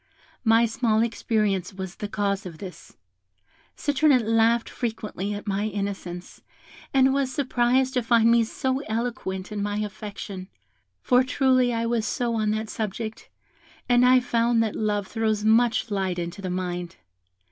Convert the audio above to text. My small experience was the cause of this. Citronette laughed frequently at my innocence, and was surprised to find me so eloquent in my affection, for truly I was so on that subject; and I found that love throws much light into the mind.